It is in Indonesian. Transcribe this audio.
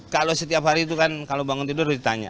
kalau setiap hari itu kan kalau bangun tidur harus ditanya